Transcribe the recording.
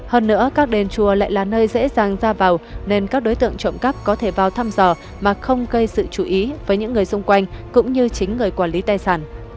hơn nữa các đền chùa lại là nơi dễ dàng ra vào nên các đối tượng trộm cắp có thể vào thăm dò mà không gây sự chú ý với những người xung quanh cũng như chính người quản lý tài sản